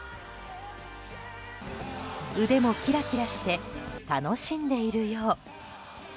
腕もキラキラして楽しんでいるよう。